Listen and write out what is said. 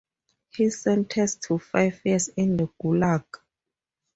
He sentenced to five years in the Gulag.